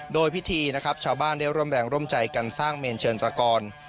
โดยพิธีนะครับชาวบ้านได้ร่วมแรงร่วมใจกันสร้างเมนเชิญตระกร